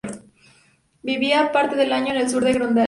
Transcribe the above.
Vive parte del año en el sur de Groenlandia.